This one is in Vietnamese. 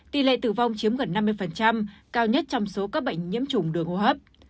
tỷ lệ tử vong chiếm gần năm mươi cao nhất trong số các bệnh nhiễm trùng đường hô hấp